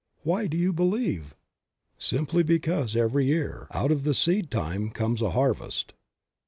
Why do you believe ? Simply because every >ear, out of the seed time comes a harvest.